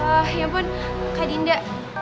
ah ya ampun kak dinda